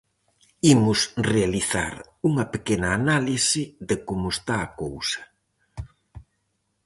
Imos realizar unha pequena análise de como está a cousa: